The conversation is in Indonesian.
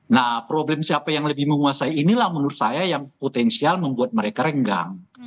nah problem siapa yang lebih menguasai inilah menurut saya yang potensial membuat mereka renggang